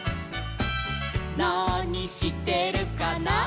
「なにしてるかな」